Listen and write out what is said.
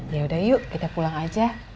yaudah yuk kita pulang aja